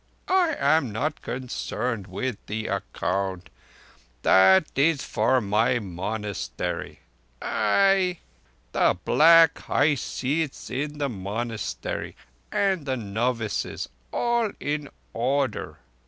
I am not concerned with the account. That is for my monastery. Ai! The black high seats in the monastery, and novices all in order!"